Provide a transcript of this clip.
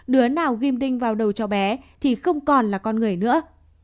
đứa nào ghim đinh vào đầu cho bé thì không còn là con người nữa